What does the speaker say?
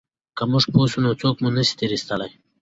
که موږ پوه سو نو څوک مو نه سي تېر ایستلای.